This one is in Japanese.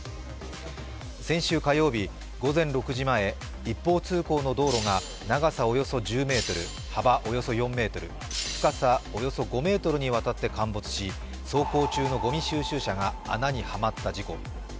先週火曜日、午前６時前一方通行の道路が長さおよそ１０ｍ、幅およそ４ｍ、深さおよそ５ｍにわたって陥没し、走行中のごみ収集車が穴にはまった事故。